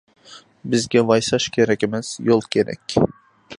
بىزگە ۋايساش كېرەك ئەمەس يول كېرەك!